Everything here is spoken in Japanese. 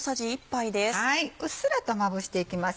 うっすらとまぶしていきます。